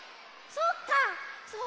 そっか。